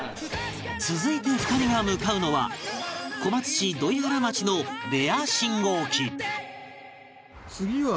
続いて２人が向かうのは小松市土居原町のレア信号機